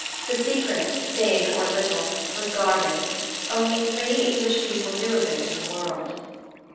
The secret, big or little, was guarded. Only three English people knew of it in the world.